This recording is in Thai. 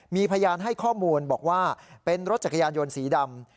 มีพยานให้ข้อมูลบอกว่าเป็นรถจักรยานยนต์สีดำ